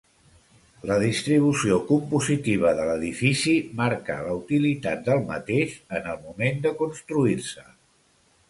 La distribució compositiva de l'edifici marca la utilitat del mateix en el moment de construir-se.